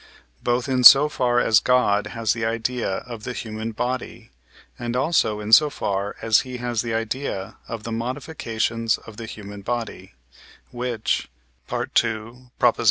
both in so far as God has the idea of the human body, and also in so far as he has the idea of the modifications of the human body, which (II.